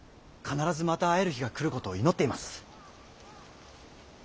必ずまた会える日が来ることを祈っています。